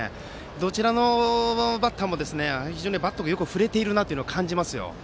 どちらのバッターも非常にバットがよく振れているなと感じますよ。